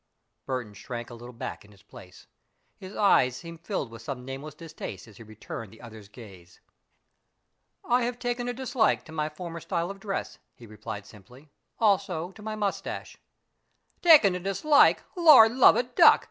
Burton shrank a little back in his place. His eyes seemed filled with some nameless distaste as he returned the other's gaze. "I have taken a dislike to my former style of dress," he replied simply, "also to my moustache." "Taken a dislike Lord love a duck!"